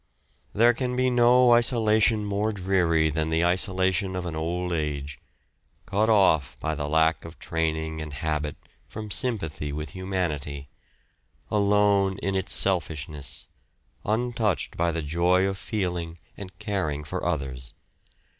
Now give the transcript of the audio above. There can be no isolation more dreary than the isolation of an old age, cut off by the lack of training and habit from sympathy with humanity, alone in its selfishness, untouched by the joy of feeling and caring for others.